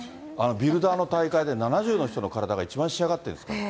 ビルダーの大会で７０の人の体が一番仕上がってるんですって。